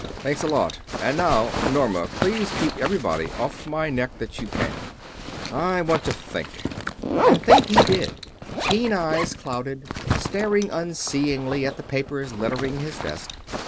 "Thanks a lot. And now, Norma, please keep everybody off my neck that you can. I want to think." And think he did; keen eyes clouded, staring unseeingly at the papers littering his desk.